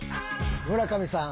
村上さん